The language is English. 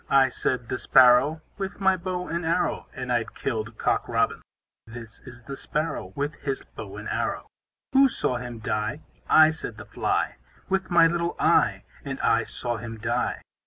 I, said the Sparrow, With my bow and arrow, And I kill'd Cock Robin. This is the Sparrow, With his bow and arrow. Who saw him die? I, said the fly, With my little eye, And I saw him die.